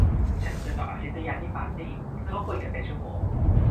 ฉันเจอกับอทิตยาที่ปาร์ตี้แล้วก็คุยกันเป็นชั่วโมง